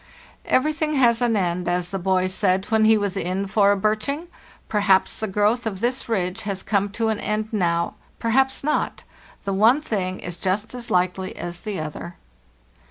" Everything has an end, as the boy said when he was in for a birching. Perhaps the growth of this ridge has come to an end now, perhaps not; the one thing is just as likely as the other.